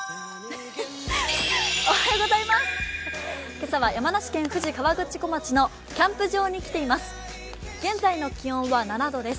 今朝は山梨県富士河口湖町のキャンプ場に来ています。